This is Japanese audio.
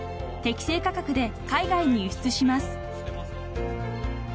［適正価格で海外に輸出します］